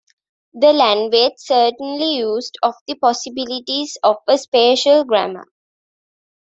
The language certainly used of the possibilities of a spatial grammar.